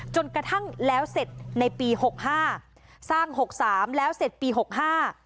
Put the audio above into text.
จนกระทั่งแล้วเสร็จในปีหกห้าสร้างหกสามแล้วเสร็จปีหกห้า